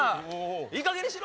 いいかげんにしろ！